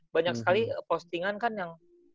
banyak sekali postingan kan yang